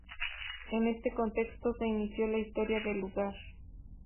En este contexto, se inició la historia del lugar.